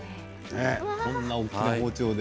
こんな大きな包丁で。